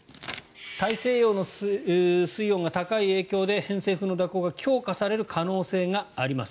大西洋の水温が高い影響で偏西風の蛇行が強化される可能性があります。